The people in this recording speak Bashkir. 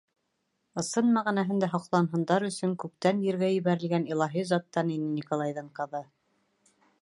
Ысын мәғәнәһендә һоҡланһындар өсөн күктән ергә ебәрелгән илаһи заттан ине Николайҙың ҡыҙы.